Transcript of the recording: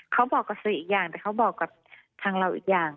เขาบอกกับสื่ออีกอย่างแต่เขาบอกกับทางเราอีกอย่าง